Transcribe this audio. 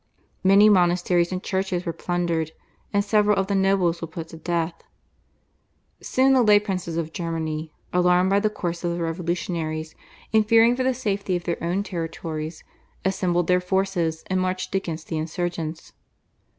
Many monasteries and churches were plundered, and several of the nobles were put to death. Soon the lay princes of Germany, alarmed by the course of the revolutionaries and fearing for the safety of their own territories, assembled their forces and marched against the insurgents.